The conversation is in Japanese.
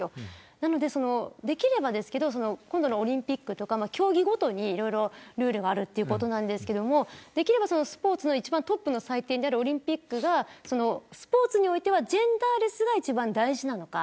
なので、できれば今度のオリンピックとか競技ごとにルールがあるということですがスポーツのトップの祭典であるオリンピックがスポーツにおいてはジェンダーレスが大事なのか。